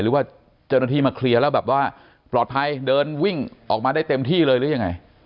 หรือว่าเจ้าหน้าที่มาเคลียร์แล้วแบบว่าปลอดภัยเดินวิ่งออกมาได้เต็มที่เลยหรือยังไง